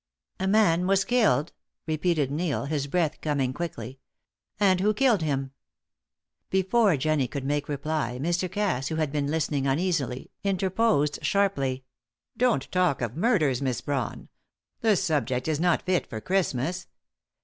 "A man was killed?" repeated Neil, his breath coming quickly. "And who killed him?" Before Jennie could make reply Mr. Cass, who had been listening uneasily, interposed sharply: "Don't talk of murders, Miss Brawn. The subject is not fit for Christmas.